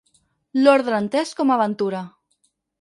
L'ordre entès com a aventura.